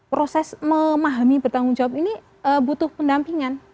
proses memahami bertanggung jawab ini butuh pendampingan